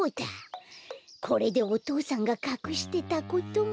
これでお父さんがかくしてたことも。